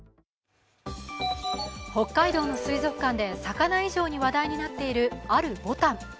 北海道の水族館で魚以上に話題になっているあるボタン。